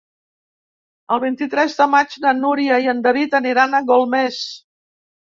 El vint-i-tres de maig na Núria i en David aniran a Golmés.